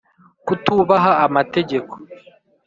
Kutubaha amategeko